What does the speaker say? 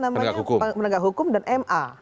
menegak hukum dan ma